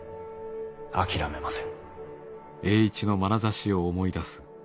諦めません。